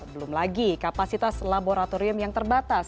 belum lagi kapasitas laboratorium yang terbatas